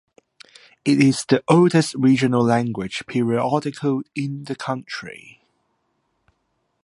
It is the oldest regional language periodical in the country.